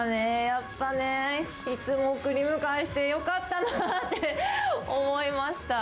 やっぱね、いつも送り迎えしてよかったなって思いました。